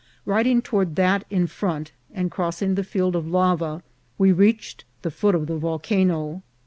Hiding toward that in front, and crossing the field of lava, we reached the foot of the volcano.